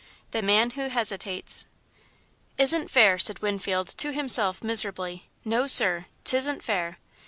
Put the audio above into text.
The Man Who Hesitates "Isn't fair'," said Winfield to himself, miserably, "no sir, 't isn't fair!"